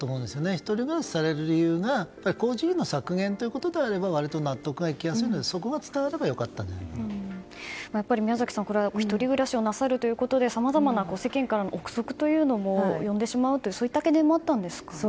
１人暮らしをされる理由が工事費の削減ということであれば納得できますのでそこが伝わればやっぱり、宮崎さん１人暮らしをなさるということでさまざまな世間からの憶測も呼んでしまうという懸念もあったんですかね。